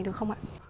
được không ạ